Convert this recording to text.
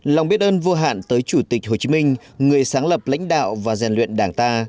lòng biết ơn vô hạn tới chủ tịch hồ chí minh người sáng lập lãnh đạo và rèn luyện đảng ta